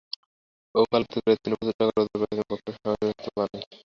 ওকালতি করিয়া তিনি প্রচুর টাকা রোজগার করিয়াছেন, ভোগ করিবার সময় নিমেষমাত্রও পান নাই।